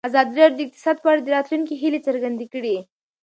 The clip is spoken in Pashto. ازادي راډیو د اقتصاد په اړه د راتلونکي هیلې څرګندې کړې.